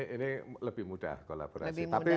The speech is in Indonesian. ini lebih mudah kolaborasi